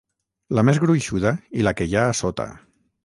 la més gruixuda i la que hi ha a sota